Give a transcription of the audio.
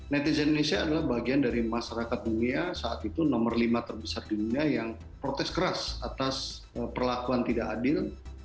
netizen indonesia adalah bagian dari masyarakat dunia saat itu nomor lima terbesar di dunia yang protes keras atas perlakuan tidak adil